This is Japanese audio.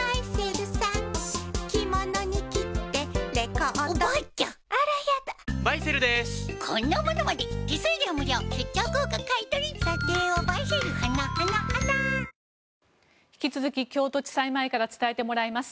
これだけで引き続き京都地裁前から伝えてもらいます。